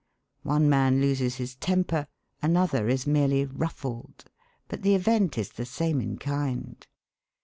One man loses his temper; another is merely 'ruffled.' But the event is the same in kind.